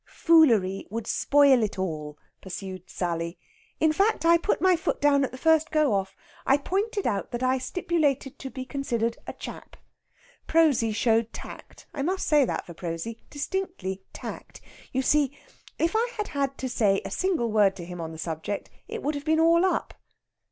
"Foolery would spoil it all," pursued Sally; "in fact, I put my foot down at the first go off. I pointed out that I stipulated to be considered a chap. Prosy showed tact I must say that for Prosy distinctly tact. You see, if I had had to say a single word to him on the subject, it would have been all up."